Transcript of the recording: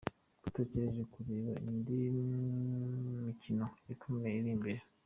Dutegereje kureba indi mikino ikomeye iri imbere.